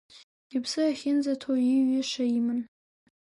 Иԥсы ахьынӡаҭоу ииҩыша иман.